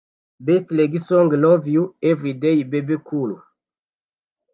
Best Reggae Song Love You Everyday–Bebe Cool